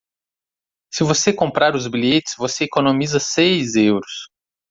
Se você comprar os bilhetes você economiza seis euros.